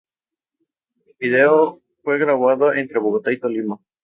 El vídeo fue grabado entre Bogotá y Tolima.